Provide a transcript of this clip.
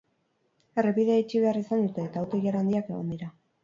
Errepidea itxi behar izan dute, eta auto-ilara handiak egon dira.